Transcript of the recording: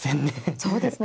そうですね。